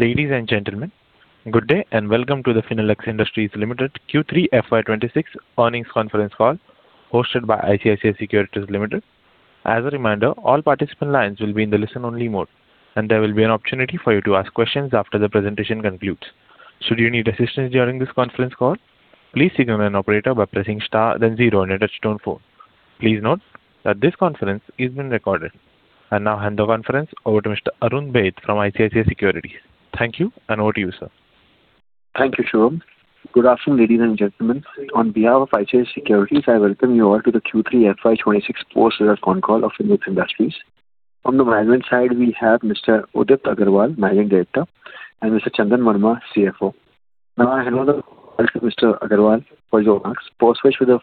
Ladies and gentlemen, good day and welcome to the Finolex Industries Limited Q3 FY 2026 Earnings Conference Call hosted by ICICI Securities Limited. As a reminder, all participant lines will be in the listen-only mode, and there will be an opportunity for you to ask questions after the presentation concludes. Should you need assistance during this conference call, please signal an operator by pressing star then zero on your touchtone phone. Please note that this conference is being recorded. And now hand the conference over to Mr. Arun Baid from ICICI Securities. Thank you, and over to you, sir. Thank you, Shivam. Good afternoon, ladies and gentlemen. On behalf of ICICI Securities, I welcome you all to the Q3 FY 2026 post his remarks, the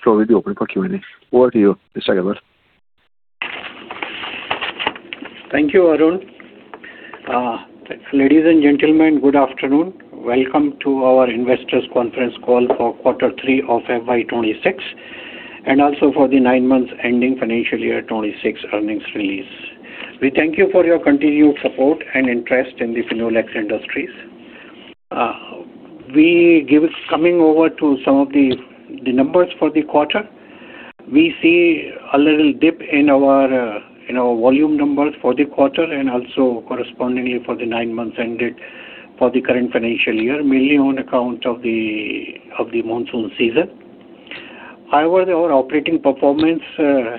floor will be open for Q&A. Over to you, Mr. Agarwal. Thank you, Arun. Ladies and gentlemen, good afternoon. Welcome to our investors' conference call for quarter three of FY 2026 and also for the nine months ending financial year 2026 earnings release. We thank you for your continued support and interest in the Finolex Industries. Coming over to some of the numbers for the quarter, we see a little dip in our volume numbers for the quarter and also correspondingly for the nine months ended for the current financial year, mainly on account of the monsoon season. However, our operating performance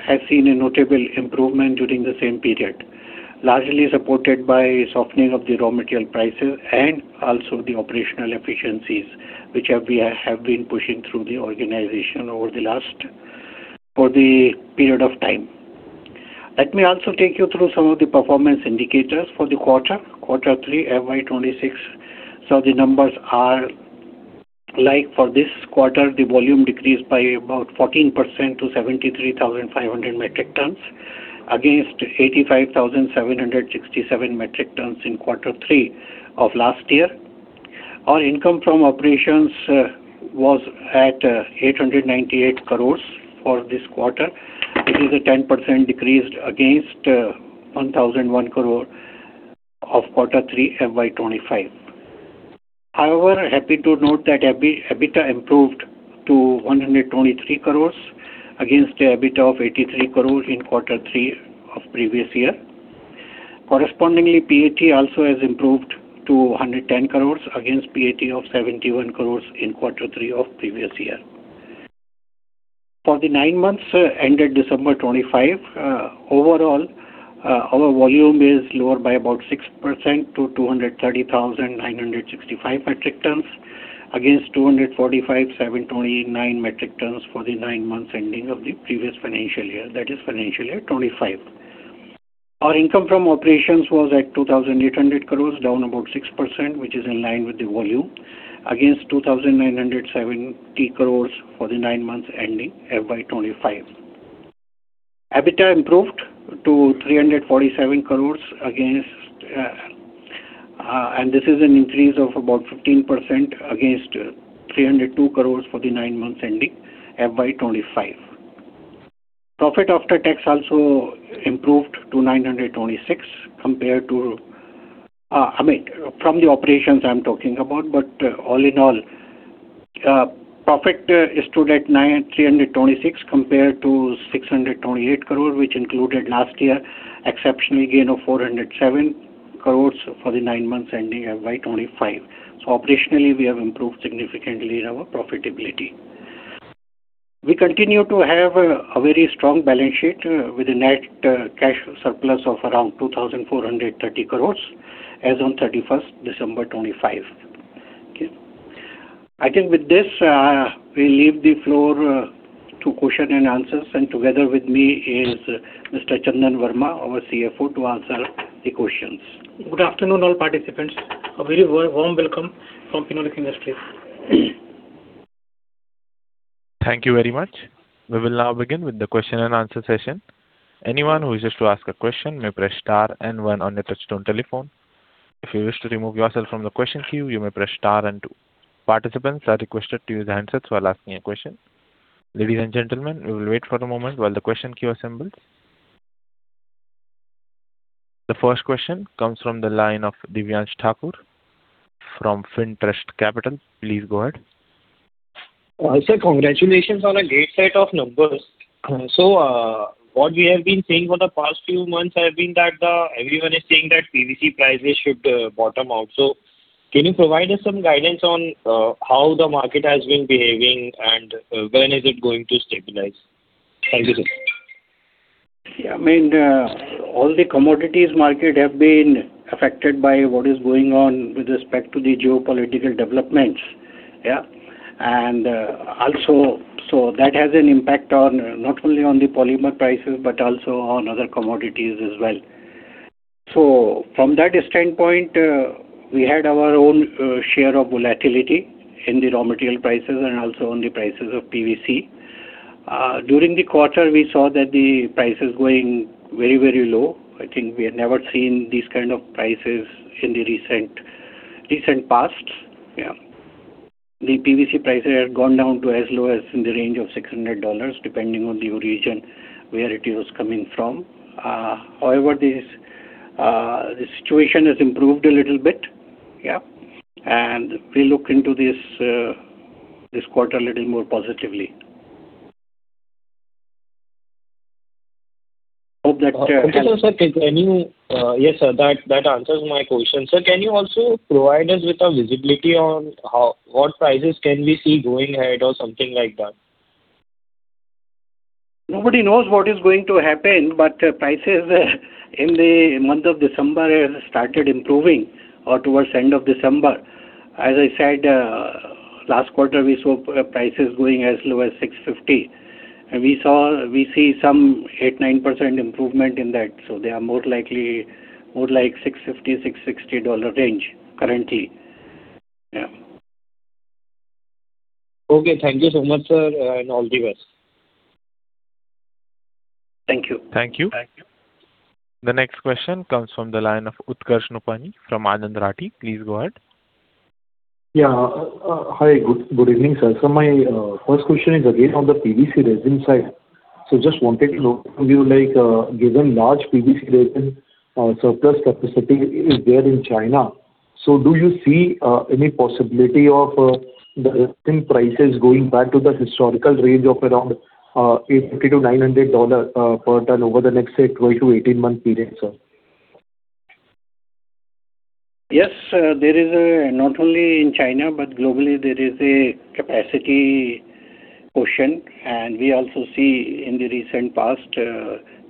has seen a notable improvement during the same period, largely supported by softening of the raw material prices and also the operational efficiencies, which we have been pushing through the organization over the last period of time. Let me also take you through some of the performance indicators for the quarter. Q3 FY 2026, so the numbers are like for this quarter. The volume decreased by about 14% to 73,500 metric tons, against 85,767 metric tons in quarter three of last year. Our income from operations was at 898 crores for this quarter, which is a 10% decrease against 1,001 crores of Q3 FY 2025. However, happy to note that EBITDA improved to 123 crores, against EBITDA of 83 crores in Q3 of previous year. Correspondingly, PAT also has improved to 110 crores, against PAT of 71 crores in Q3 of previous year. For the nine months ended December 2025, overall, our volume is lower by about 6% to 230,965 metric tons, against 245,729 metric tons for the nine months ending of the previous financial year, that is, financial year 2025. Our income from operations was at 2,800 crores, down about 6%, which is in line with the volume, against 2,970 crores for the nine months ending FY 2025. EBITDA improved to 347 crores, and this is an increase of about 15% against 302 crores for the nine months ending FY 2025. Profit after tax also improved to 926 compared to I mean, from the operations I'm talking about, but all in all, profit stood at 326 compared to 628 crores, which included last year exceptional gain of 407 crores for the nine months ending FY 2025. So operationally, we have improved significantly in our profitability. We continue to have a very strong balance sheet with a net cash surplus of around 2,430 crores as on 31st December 2025. I think with this, we leave the floor to question and answers, and together with me is Mr. Chandan Verma, our CFO, to answer the questions. Good afternoon, all participants. A very warm welcome from Finolex Industries. Thank you very much. We will now begin with the question and answer session. Anyone who wishes to ask a question may press * and 1 on your touch-tone telephone. If you wish to remove yourself from the question queue, you may press * and 2. Participants are requested to use handsets while asking a question. Ladies and gentlemen, we will wait for a moment while the question queue assembles. The first question comes from the line of Devyansh Thakur from Fintrust Capital. Please go ahead. I say congratulations on a great set of numbers. So what we have been seeing for the past few months has been that everyone is saying that PVC prices should bottom out. So can you provide us some guidance on how the market has been behaving and when is it going to stabilize? Thank you, sir. Yeah. I mean, all the commodities market have been affected by what is going on with respect to the geopolitical developments, yeah? And also so that has an impact not only on the polymer prices but also on other commodities as well. So from that standpoint, we had our own share of volatility in the raw material prices and also on the prices of PVC. During the quarter, we saw that the price is going very, very low. I think we have never seen these kind of prices in the recent past, yeah? The PVC prices have gone down to as low as in the range of $600, depending on the region where it was coming from. However, the situation has improved a little bit, yeah? And we look into this quarter a little more positively. Hope that helps. Okay, sir. Sir, can you yes, sir. That answers my question. Sir, can you also provide us with a visibility on what prices can we see going ahead or something like that? Nobody knows what is going to happen, but prices in the month of December have started improving towards the end of December. As I said, last quarter, we saw prices going as low as $650. We see some 8%-9% improvement in that. They are more like $650-$660 range currently, yeah? Okay. Thank you so much, sir, and all the best. Thank you. Thank you. The next question comes from the line of Utkarsh Nopany from Anand Rathi. Please go ahead. Yeah. Hi. Good evening, sir. So my first question is again on the PVC resin side. So just wanted to know from you, given large PVC resin surplus capacity is there in China, so do you see any possibility of the resin prices going back to the historical range of around $850-$900 per ton over the next 12-18-month period, sir? Yes. Not only in China, but globally, there is a capacity question. We also see in the recent past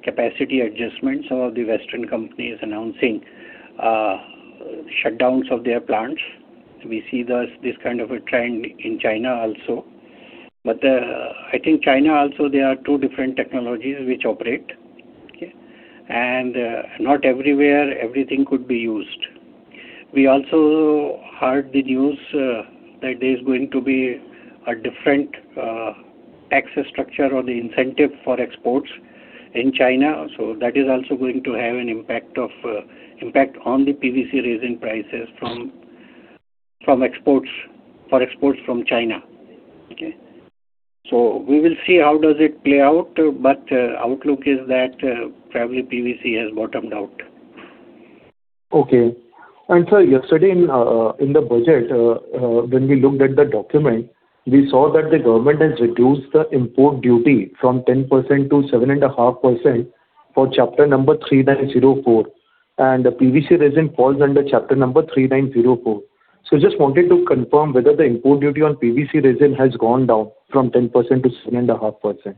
capacity adjustments. Some of the Western companies announcing shutdowns of their plants. We see this kind of a trend in China also. But I think China also, there are two different technologies which operate, okay? Not everywhere, everything could be used. We also heard the news that there is going to be a different tax structure or the incentive for exports in China. So that is also going to have an impact on the PVC resin prices for exports from China, okay? So we will see how does it play out, but outlook is that probably PVC has bottomed out. Okay. And sir, yesterday in the budget, when we looked at the document, we saw that the government has reduced the import duty from 10% to 7.5% for chapter number 3904. And the PVC resin falls under chapter number 3904. So just wanted to confirm whether the import duty on PVC resin has gone down from 10% to 7.5%.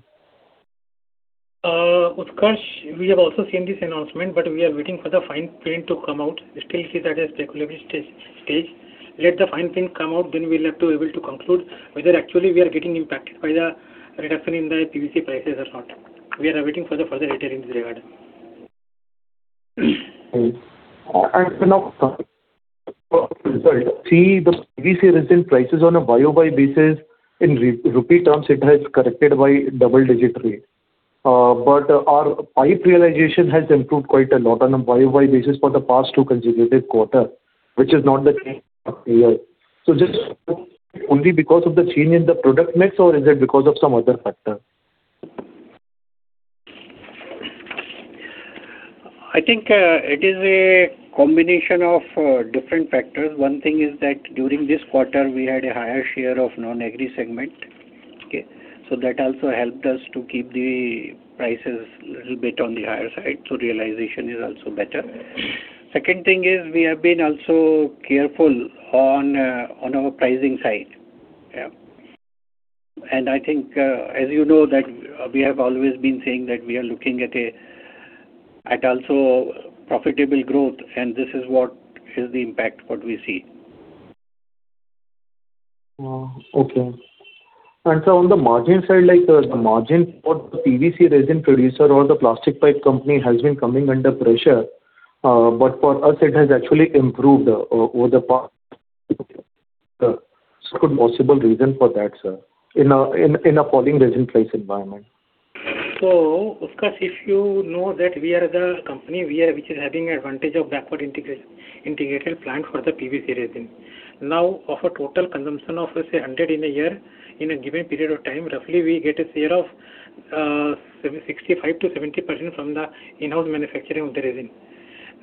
Utkarsh, we have also seen this announcement, but we are waiting for the fine print to come out. Still, see, that is speculative stage. Let the fine print come out, then we'll be able to conclude whether actually we are getting impacted by the reduction in the PVC prices or not. We are waiting for further detail in this regard. Okay. And Finolex, sorry. See, the PVC resin prices on a YoY basis, in rupee terms, it has corrected by double-digit rate. But our pipe realization has improved quite a lot on a YoY basis for the past two consecutive quarters, which is not the change of prices. So just only because of the change in the product mix, or is it because of some other factor? I think it is a combination of different factors. One thing is that during this quarter, we had a higher share of non-agri segment, okay? So that also helped us to keep the prices a little bit on the higher side, so realization is also better. Second thing is we have been also careful on our pricing side, yeah? And I think, as you know, that we have always been saying that we are looking at also profitable growth, and this is what is the impact what we see. Okay. On the margin side, the margin for the PVC Resin producer or the plastic pipe company has been coming under pressure, but for us, it has actually improved over the past could possible reason for that, sir, in a falling resin price environment? So Utkarsh, if you know that we are the company which is having advantage of backward integrated plant for the PVC resin. Now, of a total consumption of, let's say, 100 in a year, in a given period of time, roughly, we get a share of 65%-70% from the in-house manufacturing of the resin.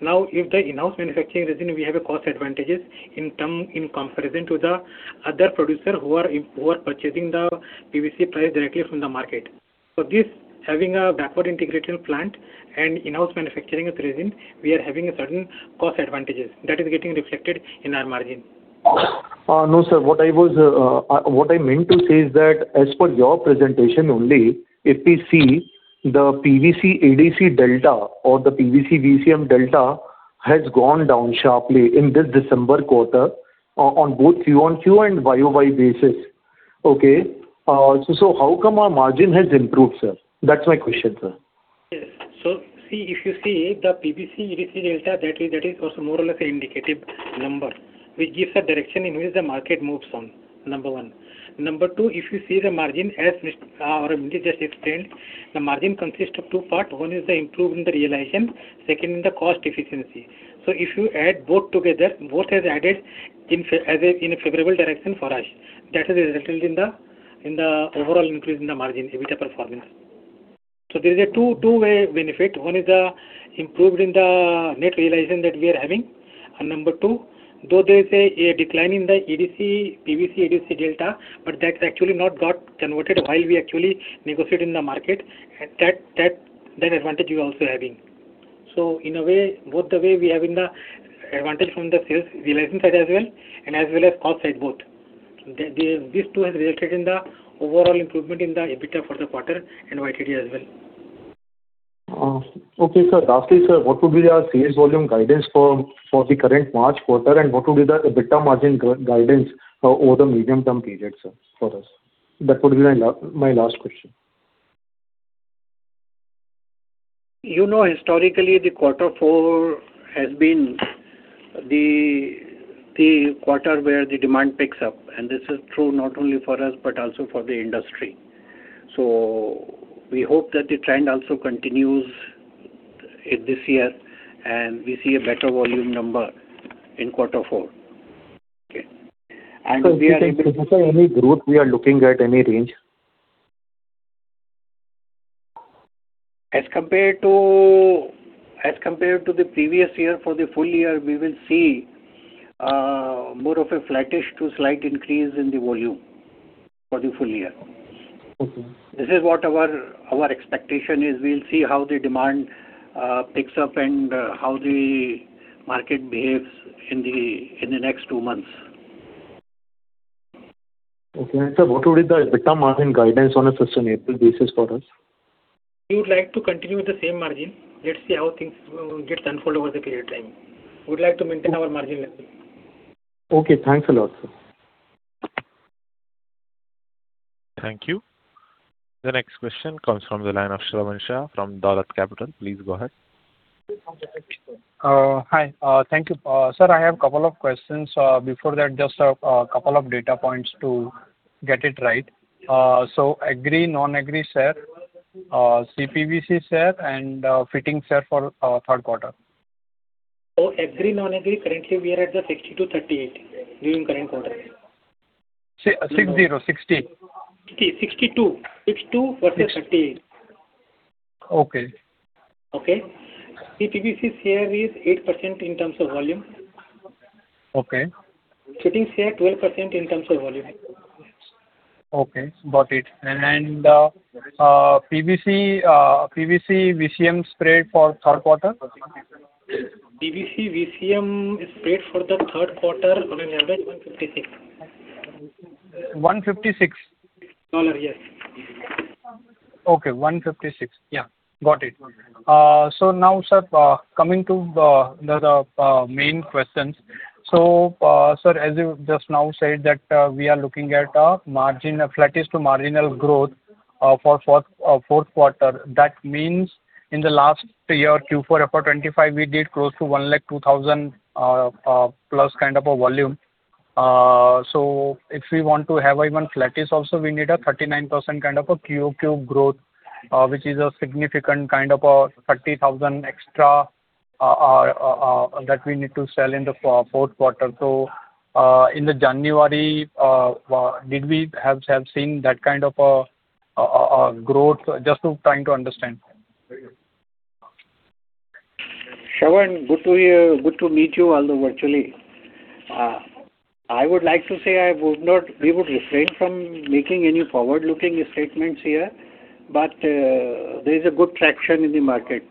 Now, if the in-house manufacturing resin, we have cost advantages in comparison to the other producers who are purchasing the PVC resin directly from the market. For this, having a backward integrated plant and in-house manufacturing of resin, we are having certain cost advantages. That is getting reflected in our margin. No, sir. What I meant to say is that as per your presentation only, if we see the PVC-EDC delta or the PVC-VCM delta has gone down sharply in this December quarter on both Q-o-Q and YoY basis, okay? So how come our margin has improved, sir? That's my question, sir. Yes. So see, if you see the PVC-EDC delta, that is also more or less an indicative number which gives a direction in which the market moves on, number one. Number two, if you see the margin, so let me just explain. The margin consists of two parts. One is the improvement in the realization. Second, in the cost efficiency. So if you add both together, both has added in a favorable direction for us. That has resulted in the overall increase in the margin, EBITDA performance. So there is a two-way benefit. One is the improvement in the net realization that we are having. And number two, though there is a decline in the PVC-EDC delta, but that's actually not got converted while we actually negotiate in the market, and that advantage we are also having. In a way, both the way we have an advantage from the sales realization side as well and as well as cost side, both. These two have resulted in the overall improvement in the EBITDA for the quarter and YTD as well. Okay, sir. Lastly, sir, what would be your sales volume guidance for the current March quarter, and what would be the EBITDA margin guidance over the medium-term period, sir, for us? That would be my last question. Historically, the quarter four has been the quarter where the demand picks up, and this is true not only for us but also for the industry. So we hope that the trend also continues this year, and we see a better volume number in quarter four, okay? And we are able. Sir, any growth we are looking at, any range? As compared to the previous year for the full year, we will see more of a flattish to slight increase in the volume for the full year. This is what our expectation is. We'll see how the demand picks up and how the market behaves in the next two months. Okay. Sir, what would be the EBITDA margin guidance on a sustainable basis for us? We would like to continue with the same margin. Let's see how things gets unfold over the period of time. We would like to maintain our margin level. Okay. Thanks a lot, sir. Thank you. The next question comes from the line of Shravan Shah from Dolat Capital. Please go ahead. Hi. Thank you. Sir, I have a couple of questions. Before that, just a couple of data points to get it right. So Agri, non-agri, sir? CPVC, sir, and fitting, sir, for Q3? Oh, agri, non-agri. Currently, we are at the 60-38 during current quarter. 60, 60. 60, 62. 62 versus 38. Okay. Okay? CPVC share is 8% in terms of volume. Okay. Fittings share 12% in terms of volume. Okay. Got it. And PVC VCM spread for Q3? PVC VCM spread for the Q3, on an average, 156. 156? Dollar, yes. Okay. 156. Yeah. Got it. So now, sir, coming to the main questions. So sir, as you just now said that we are looking at a flattish to marginal growth for Q4. That means in the last year, Q4, FY 2025, we did close to 1,002,000-plus kind of a volume. So if we want to have even flattish also, we need a 39% kind of a QOQ growth, which is a significant kind of a 30,000 extra that we need to sell in the Q4. So in January, did we have seen that kind of a growth? Just trying to understand. Shravan, good to meet you, although virtually. I would like to say we would refrain from making any forward-looking statements here, but there is a good traction in the market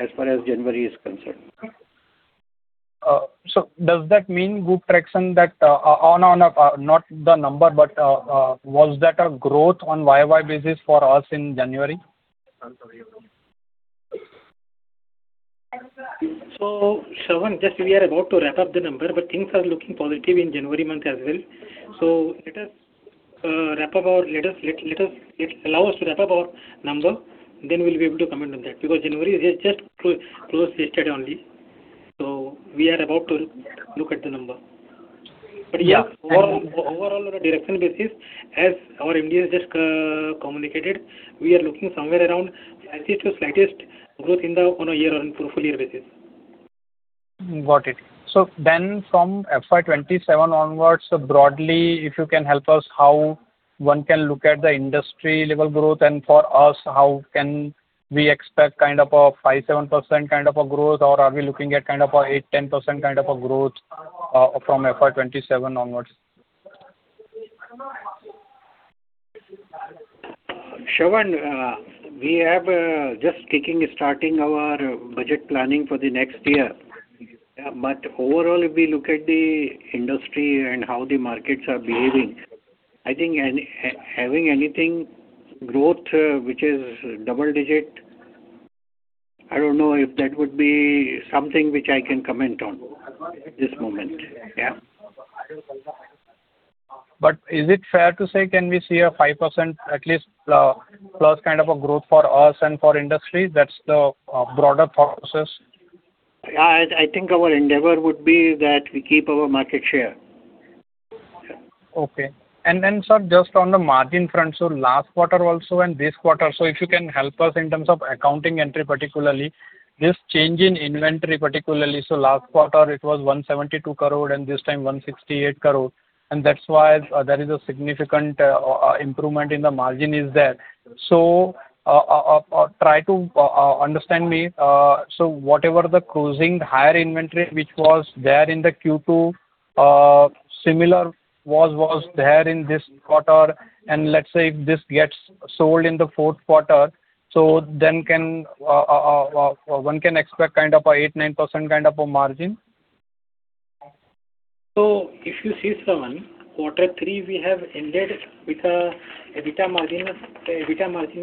as far as January is concerned. So does that mean good traction that on and off, not the number, but was that a growth on yoy basis for us in January? So, Shravan, just we are about to wrap up the numbers, but things are looking positive in January month as well. So let us wrap up our numbers, then we'll be able to comment on that because January just closed yesterday only. So we are about to look at the numbers. But yes, overall, on a direction basis, as our MD has just communicated, we are looking somewhere around flattish to slightest growth on a year-on-year or on a full-year basis. Got it. So then from FY 2027 onwards, broadly, if you can help us, how one can look at the industry-level growth, and for us, how can we expect kind of a 5%-7% kind of a growth, or are we looking at kind of a 8%-10% kind of a growth from FY 2027 onwards? Shravan, we are just starting our budget planning for the next year. But overall, if we look at the industry and how the markets are behaving, I think having anything growth which is double-digit, I don't know if that would be something which I can comment on at this moment, yeah? But is it fair to say can we see a 5% at least plus kind of a growth for us and for industry? That's the broader thought process. I think our endeavor would be that we keep our market share. Okay. And then, sir, just on the margin front, so last quarter also and this quarter, so if you can help us in terms of accounting entry, particularly, this change in inventory, particularly, so last quarter, it was 172 crore, and this time, 168 crore. And that's why there is a significant improvement in the margin is there. So try to understand me. So whatever the closing higher inventory which was there in the Q2 similar was there in this quarter, and let's say if this gets sold in the Q4, so then one can expect kind of a 8%-9% kind of a margin? So if you see, Shravan, quarter three, we have ended with an EBITDA margin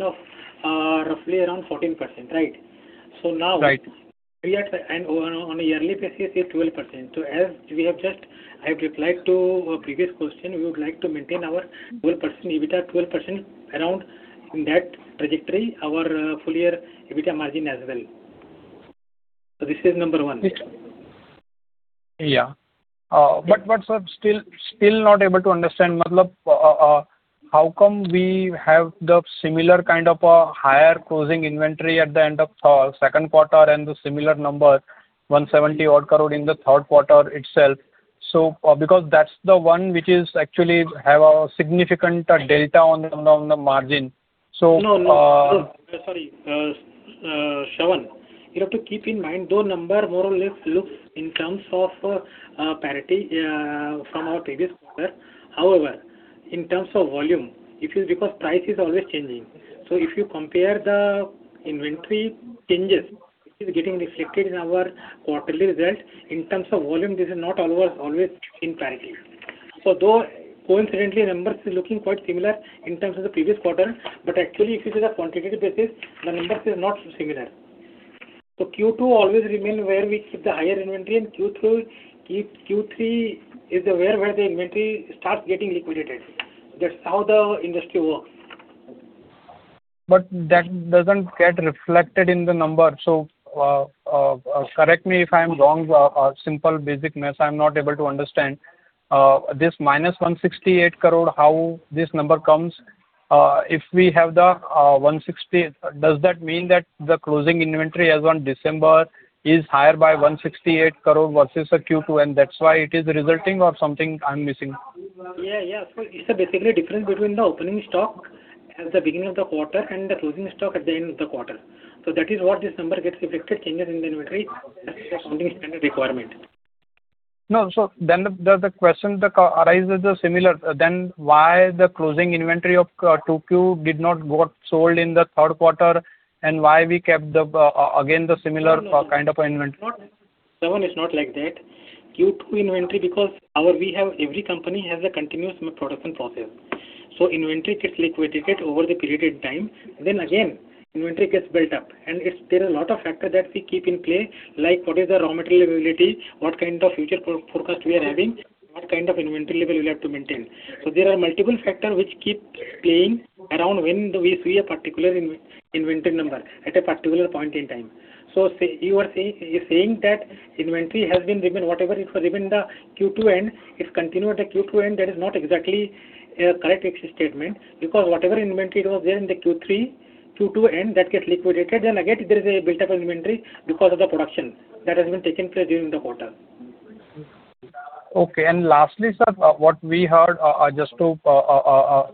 of roughly around 14%, right? So now, on a yearly basis, it's 12%. So as we have just replied to a previous question, we would like to maintain our 12% EBITDA, 12% around in that trajectory, our full-year EBITDA margin as well. So this is number one. Yeah. But sir, still not able to understand. Matlab, how come we have the similar kind of a higher closing inventory at the end of Q2 and the similar number, 170-odd crore, in the Q3 itself? So because that's the one which is actually have a significant delta on the margin, so. No, no. Sorry. Shravan, you have to keep in mind though; number more or less looks in terms of parity from our previous quarter. However, in terms of volume, because price is always changing. So if you compare the inventory changes, which is getting reflected in our quarterly results, in terms of volume, this is not always in parity. So though coincidentally, numbers is looking quite similar in terms of the previous quarter, but actually, if you see the quantitative basis, the numbers is not similar. So Q2 always remain where we keep the higher inventory, and Q3 is where the inventory starts getting liquidated. That's how the industry works. But that doesn't get reflected in the number. So correct me if I am wrong or simple basic math. I am not able to understand. This minus 168 crore, how this number comes? If we have the 160, does that mean that the closing inventory as on December is higher by 168 crore versus Q2, and that's why it is resulting, or something I am missing? Yeah, yeah. So it's basically difference between the opening stock at the beginning of the quarter and the closing stock at the end of the quarter. So that is what this number gets reflected, changes in the inventory. Accounting standard requirement. No, so then the question arises similar. Then why the closing inventory of 2Q did not get sold in the Q3, and why we kept, again, the similar kind of inventory? Shravan, it's not like that. Q2 inventory because we have every company has a continuous production process. So inventory gets liquidated over the period of time. Then again, inventory gets built up. And there are a lot of factors that we keep in play, like what is the raw material availability, what kind of future forecast we are having, what kind of inventory level we have to maintain. So there are multiple factors which keep playing around when we see a particular inventory number at a particular point in time. So you are saying that inventory has been whatever it was in the Q2 end, it's continued at the Q2 end. That is not exactly a correct statement because whatever inventory it was there in the Q2 end, that gets liquidated. Then again, there is a buildup of inventory because of the production that has taken place during the quarter. Okay. Lastly, sir, what we heard, just to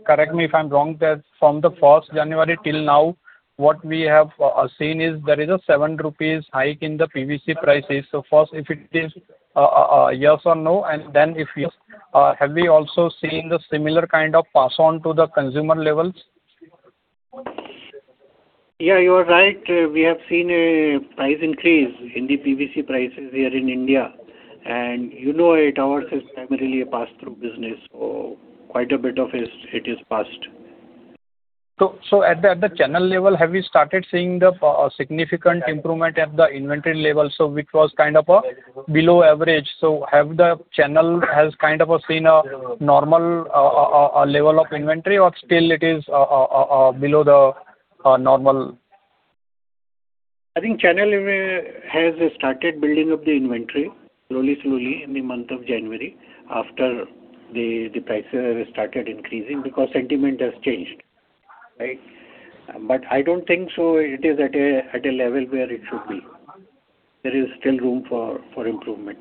correct me if I am wrong, that from the 1st January till now, what we have seen is there is a 7 rupees hike in the PVC prices. First, if it is yes or no, and then if yes, have we also seen the similar kind of pass on to the consumer levels? Yeah, you are right. We have seen a price increase in the PVC prices here in India. You know it, ours is primarily a pass-through business, so quite a bit of it is passed. So at the channel level, have we started seeing the significant improvement at the inventory level, so which was kind of below average? So have the channel kind of seen a normal level of inventory, or still it is below the normal? I think channel has started building up the inventory slowly, slowly in the month of January after the prices have started increasing because sentiment has changed, right? But I don't think so it is at a level where it should be. There is still room for improvement.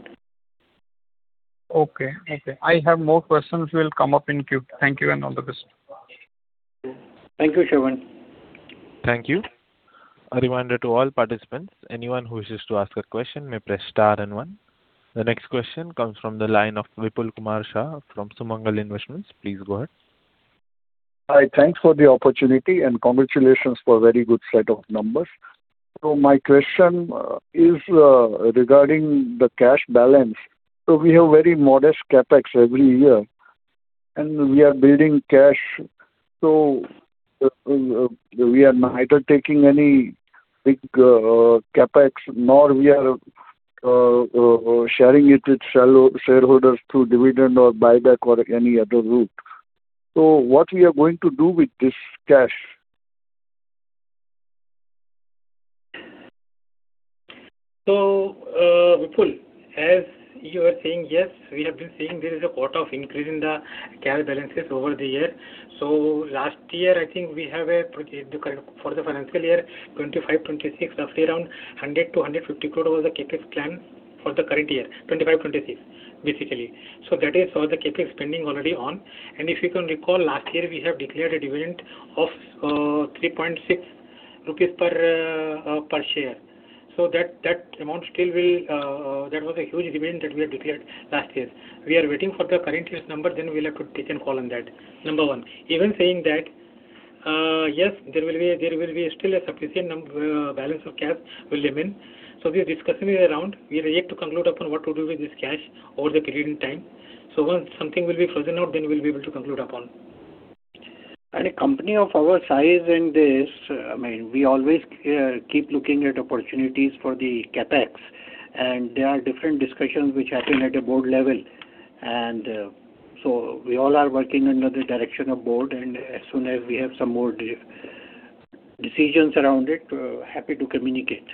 Okay, okay. I have more questions will come up in queue. Thank you, and all the best. Thank you, Shravan. Thank you. A reminder to all participants, anyone who wishes to ask a question, may press star and one. The next question comes from the line of Vipul Kumar Shah from Sumangal Investments. Please go ahead. Hi. Thanks for the opportunity, and congratulations for a very good set of numbers. My question is regarding the cash balance. We have very modest CapEx every year, and we are building cash. We are neither taking any big CapEx nor sharing it with shareholders through dividend or buyback or any other route. What are we going to do with this cash? So Vipul, as you are saying, yes, we have been seeing there is a good increase in the cash balances over the year. So last year, I think we have a for the financial year 2025, 2026, roughly around 100-150 crore was the CapEx plan for the current year 2025, 2026, basically. So that is all the CapEx spending already on. And if you can recall, last year, we have declared a dividend of 3.6 rupees per share. So that amount still will that was a huge dividend that we have declared last year. We are waiting for the current year's number, then we will have to take a call on that, number one. Even saying that, yes, there will be still a sufficient balance of cash will remain. The discussion is around we react to conclude upon what to do with this cash over the period in time. Once something will be frozen out, then we will be able to conclude upon. A company of our size in this, I mean, we always keep looking at opportunities for the CapEx, and there are different discussions which happen at a board level. So we all are working under the direction of Board, and as soon as we have some more decisions around it, happy to communicate.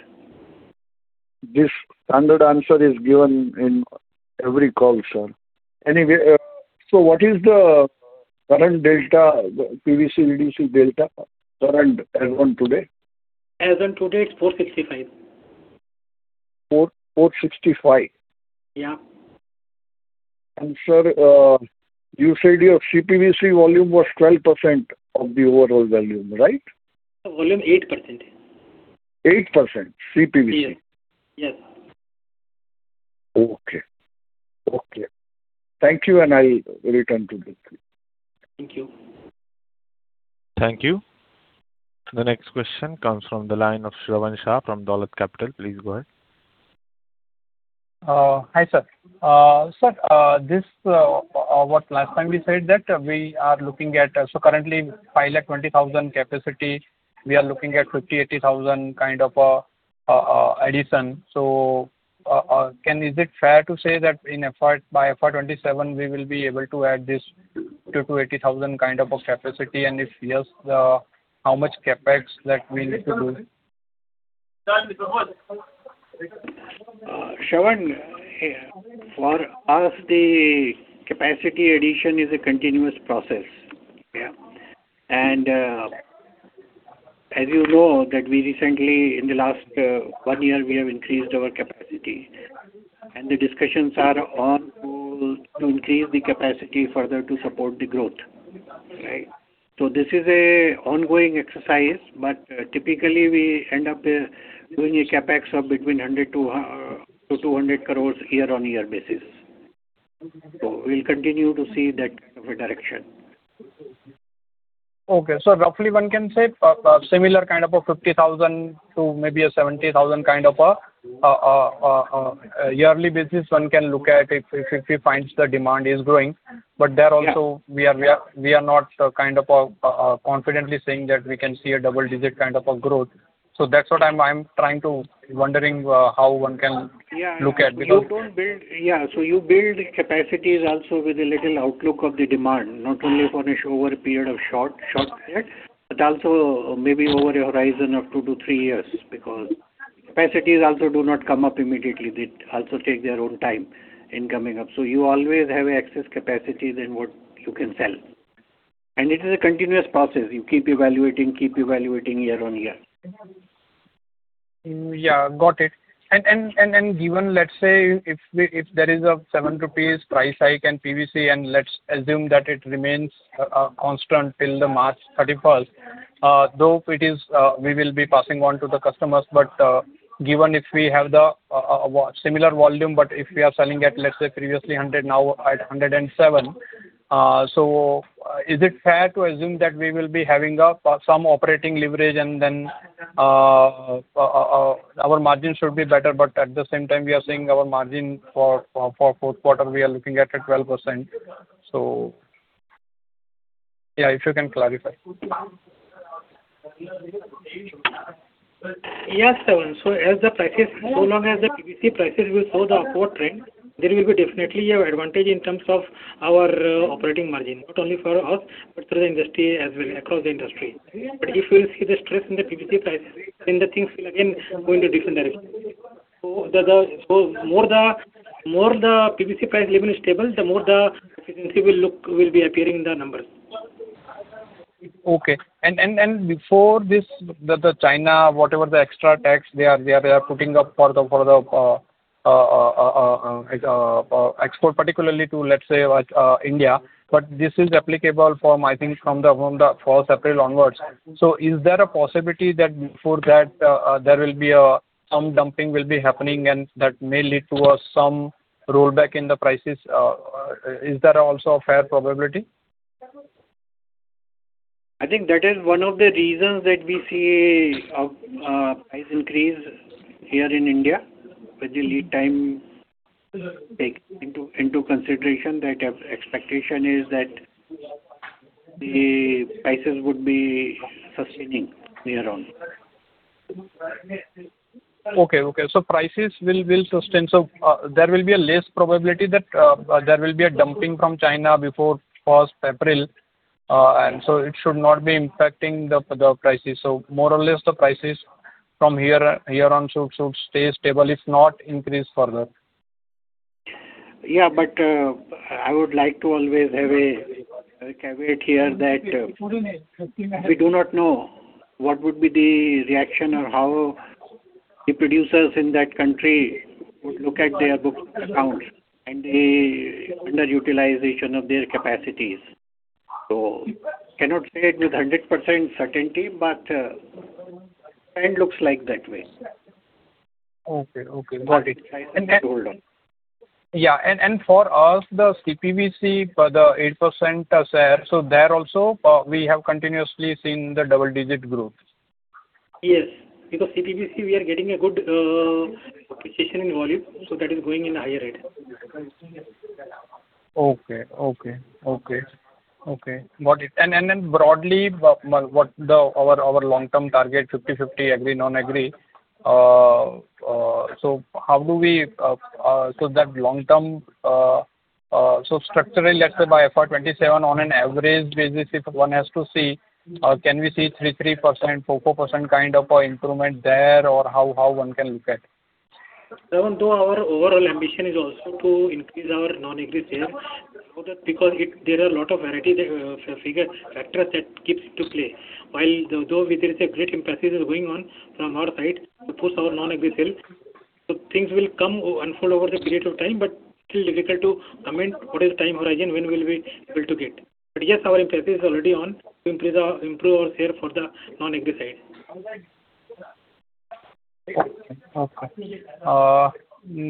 This standard answer is given in every call, sir. Anyway, so what is the current delta, PVC/EDC delta, current as on today? As on today, it's 465. 465? Yeah. Sir, you said your CPVC volume was 12% of the overall volume, right? Volume 8%. 8% CPVC? Yes. Yes. Okay. Okay. Thank you, and I'll return to this. Thank you. Thank you. The next question comes from the line of Shravan Shah from Dolat Capital. Please go ahead. Hi, sir. Sir, what last time we said that we are looking at so currently 520,000 capacity, we are looking at 50-80,000 kind of addition. So is it fair to say that by FY 2027, we will be able to add this 20-80,000 kind of capacity? And if yes, how much CapEx that we need to do? Shravan, for us, the capacity addition is a continuous process, yeah? And as you know that we recently, in the last one year, we have increased our capacity. And the discussions are on to increase the capacity further to support the growth, right? So this is an ongoing exercise, but typically, we end up doing a CapEx of between 100-200 crores year-on-year basis. So we'll continue to see that kind of a direction. Okay. So roughly, one can say similar kind of 50,000 to maybe a 70,000 kind of a yearly basis, one can look at if he finds the demand is growing. But there also, we are not kind of confidently saying that we can see a double-digit kind of growth. So that's what I'm trying to wondering how one can look at because. Yeah. So you don't build. So you build capacities also with a little outlook of the demand, not only for a short period, but also maybe over a horizon of 2-3 years because capacities also do not come up immediately. They also take their own time in coming up. So you always have excess capacity than what you can sell. It is a continuous process. You keep evaluating, keep evaluating year-on-year. Yeah. Got it. And given, let's say, if there is a 7 rupees price hike in PVC, and let's assume that it remains constant till the March 31st, though we will be passing on to the customers, but given if we have a similar volume, but if we are selling at, let's say, previously 100, now at 107, so is it fair to assume that we will be having some operating leverage, and then our margin should be better? But at the same time, we are seeing our margin for Q4, we are looking at a 12%. So yeah, if you can clarify. Yes, Shravan. So as the prices so long as the PVC prices will show the upward trend, there will be definitely an advantage in terms of our operating margin, not only for us, but through the industry as well, across the industry. But if you will see the stress in the PVC prices, then the things will, again, go into different directions. So more the PVC price level is stable, the more the efficiency will be appearing in the numbers. Okay. And before this, the China, whatever the extra tax, they are putting up for the export, particularly to, let's say, India. But this is applicable, I think, from the 1st April onwards. So is there a possibility that for that, there will be some dumping will be happening, and that may lead to some rollback in the prices? Is that also a fair probability? I think that is one of the reasons that we see a price increase here in India with the lead time taken into consideration. That expectation is that the prices would be sustaining year-round. Okay, okay. Prices will sustain. There will be a less probability that there will be a dumping from China before 1st April. It should not be impacting the prices. More or less, the prices from here on should stay stable, if not increase further. Yeah, but I would like to always have a caveat here that we do not know what would be the reaction or how the producers in that country would look at their book accounts and the underutilization of their capacities. So cannot say it with 100% certainty, but trend looks like that way. Okay, okay. Got it. Hold on. Yeah. And for us, the CPVC for the 8% share, so there also, we have continuously seen the double-digit growth. Yes, because CPVC, we are getting a good appreciation in volume, so that is going in a higher rate. Okay, okay, okay, okay. Got it. And then broadly, our long-term target, 50/50 agri, non-agri, so how do we so that long-term so structurally, let's say by FY 2027, on an average basis, if one has to see, can we see 33%-44% kind of improvement there, or how one can look at? Shravan, though our overall ambition is also to increase our non-agri sales because there are a lot of variety factors that keep to play. While though there is a great emphasis going on from our side to push our non-agri sale, so things will come unfold over the period of time, but it's still difficult to comment what is the time horizon, when will we be able to get. But yes, our emphasis is already on to improve our sale for the non-agri side. Okay, okay.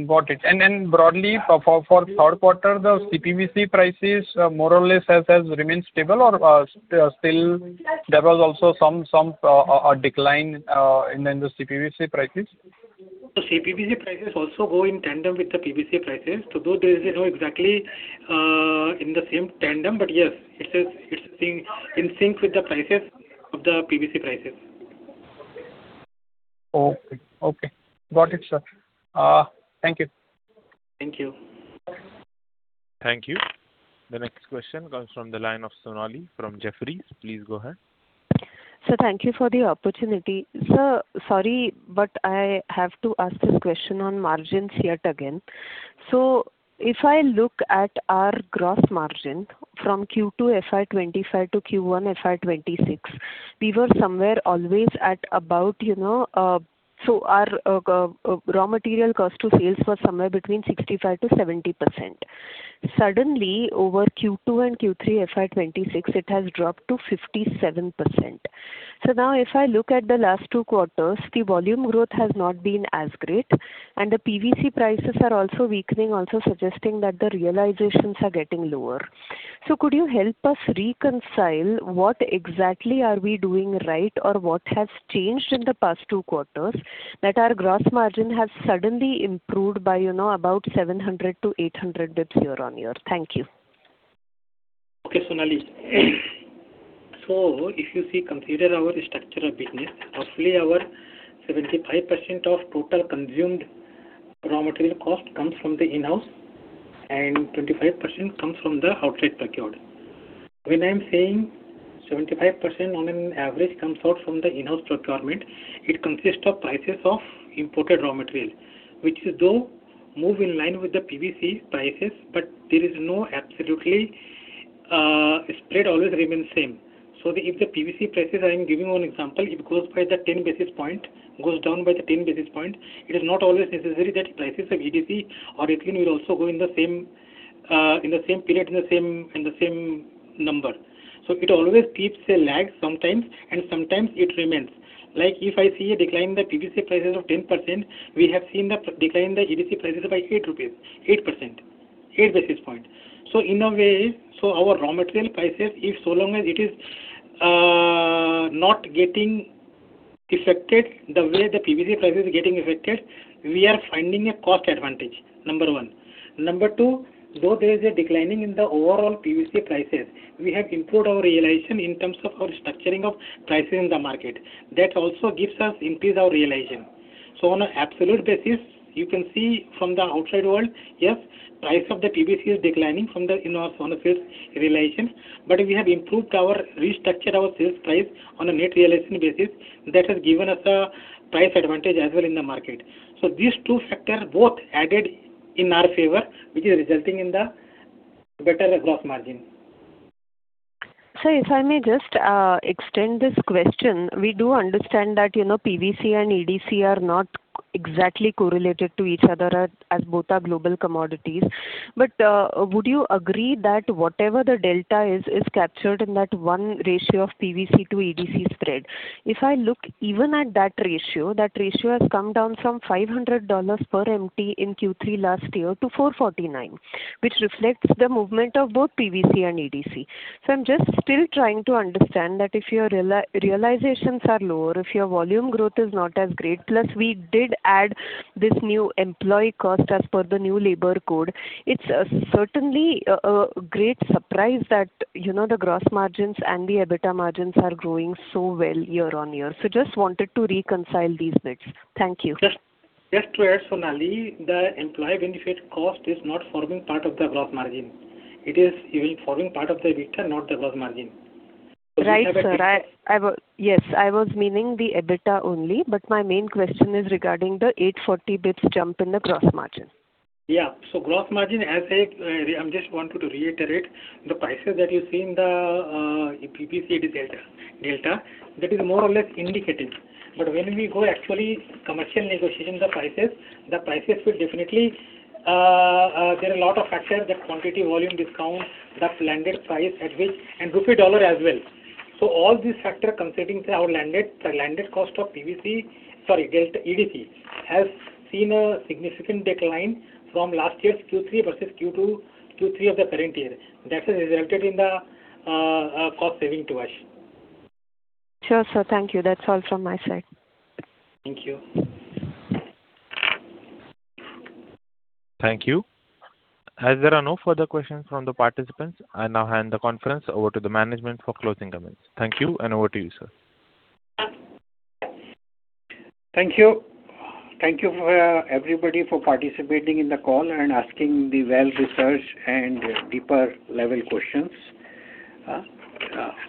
Got it. And broadly, for Q3, the CPVC prices, more or less, has remained stable, or still there was also some decline in the CPVC prices? CPVC prices also go in tandem with the PVC prices. So though there is no exactly in the same tandem, but yes, it's in sync with the prices of the PVC prices. Okay, okay. Got it, sir. Thank you. Thank you. Thank you. The next question comes from the line of Sonali from Jefferies. Please go ahead. Thank you for the opportunity. Sir, sorry, but I have to ask this question on margins yet again. If I look at our gross margin from Q2 FY 2025 to Q1 FY 2026, we were somewhere always at about our raw material cost to sales was somewhere between 65%-70%. Suddenly, over Q2 and Q3 FY 2026, it has dropped to 57%. Now if I look at the last two quarters, the volume growth has not been as great, and the PVC prices are also weakening, also suggesting that the realizations are getting lower. Could you help us reconcile what exactly are we doing right, or what has changed in the past two quarters that our gross margin has suddenly improved by about 700-800 basis points year-on-year? Thank you. Okay, Sonali. So if you see, consider our structure of business, roughly, our 75% of total consumed raw material cost comes from the in-house, and 25% comes from the outright procurement. When I am saying 75% on an average comes out from the in-house procurement, it consists of prices of imported raw material, which is though move in line with the PVC prices, but there is no absolutely spread always remains same. So if the PVC prices I am giving one example, it goes by the 10 basis point, goes down by the 10 basis point, it is not always necessary that prices of EDC or Ethylene will also go in the same period, in the same number. So it always keeps a lag sometimes, and sometimes it remains. Like if I see a decline in the PVC prices of 10%, we have seen the decline in the EDC prices by 8%, 8 basis points. So in a way, so our raw material prices, if so long as it is not getting affected the way the PVC price is getting affected, we are finding a cost advantage, number one. Number two, though there is a decline in the overall PVC prices, we have improved our realization in terms of our structuring of prices in the market. That also gives us increase our realization. So on an absolute basis, you can see from the outside world, yes, price of the PVC is declining from the in-house realization, but we have improved our restructured our sales price on a net realization basis. That has given us a price advantage as well in the market. These two factors, both added in our favor, which is resulting in the better gross margin. Sir, if I may just extend this question, we do understand that PVC and EDC are not exactly correlated to each other as both are global commodities. But would you agree that whatever the delta is, is captured in that one ratio of PVC to EDC spread? If I look even at that ratio, that ratio has come down from $500 per MT in Q3 last year to $449, which reflects the movement of both PVC and EDC. So I'm just still trying to understand that if your realizations are lower, if your volume growth is not as great, plus we did add this new employee cost as per the new labor code, it's certainly a great surprise that the gross margins and the EBITDA margins are growing so well year-on-year. So just wanted to reconcile these bits. Thank you. Yes, sir. Yes, sir. Yes, sir. Yes, sir. Where, Sonali, the employee benefit cost is not forming part of the gross margin. It is even forming part of the EBITDA, not the gross margin. Right, sir. Yes, I was meaning the EBITDA only, but my main question is regarding the 840 basis points jump in the gross margin. Yeah. So gross margin, as I'm just wanting to reiterate, the prices that you see in the PVC, it is delta. That is more or less indicative. But when we go actually commercial negotiation, the prices, the prices will definitely there are a lot of factors that quantity volume discount, the landed price at which and rupee/dollar as well. So all these factors considering our landed cost of PVC sorry, EDC has seen a significant decline from last year's Q3 versus Q3 of the current year. That has resulted in the cost saving to us. Sure, sir. Thank you. That's all from my side. Thank you. Thank you. As there are no further questions from the participants, I now hand the conference over to the management for closing comments. Thank you, and over to you, sir. Thank you. Thank you, everybody, for participating in the call and asking the well-researched and deeper-level questions.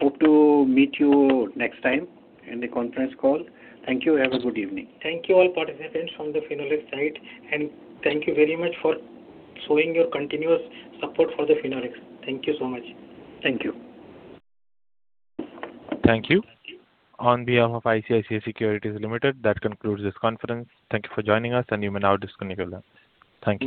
Hope to meet you next time in the conference call. Thank you. Have a good evening. Thank you, all participants from the Finolex side. Thank you very much for showing your continuous support for the Finolex. Thank you so much. Thank you. Thank you. On behalf of ICICI Securities Limited, that concludes this conference. Thank you for joining us, and you may now disconnect with us. Thank you.